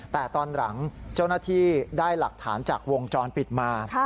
แต่ตอนหลังเจ้าหน้าที่ได้หลักฐานจากวงจรปิดมา